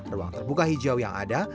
ruang terbuka hijau yang ada